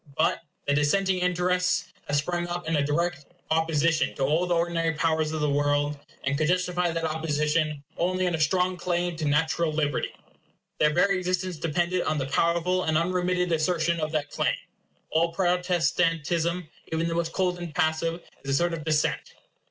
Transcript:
But the dissenting interests have sprung up in direct opposition to all the ordinary powers of the world, and could justify that opposition only on a strong claim to natural liberty. Their very existence depended on the powerful and unremitted assertion of that claim. All Protestantism, even the most cold and passive, is a sort of dissent.